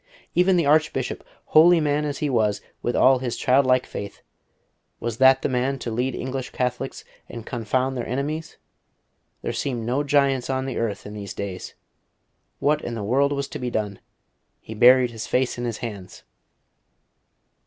Even the Archbishop, holy man as he was, with all his childlike faith was that the man to lead English Catholics and confound their enemies? There seemed no giants on the earth in these days. What in the world was to be done? He buried his face in his hands....